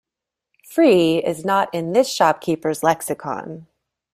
Free, is not in this shop keepers lexicon.